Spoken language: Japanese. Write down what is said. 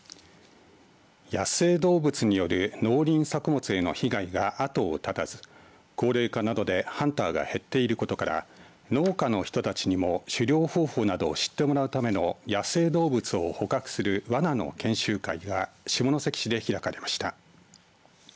野生動物による農林作物への被害が後を絶たず高齢化などでハンターが減っていることから農家の人たちにも狩猟方法などを知ってもらうための野生動物を捕獲するわなの研修会が下関市で開かれました。